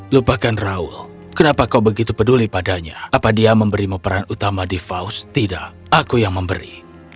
lupakan raul kenapa kau begitu peduli padanya apa dia memberimu peran utama di faus tidak aku yang memberi